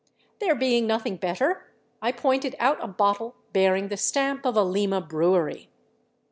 There being nothing better, I pointed out a bottle bearing" the stamp of a Lima brewery.